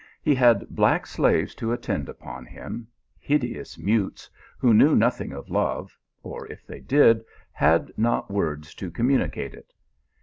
He had black slaves to attend upon him hideous mutes, who knew nothing of love, or if they did, had not words to communicate it.